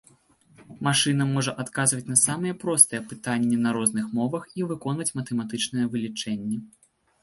Машына можа адказваць на самыя простыя пытанні на розных мовах і выконваць матэматычныя вылічэнні.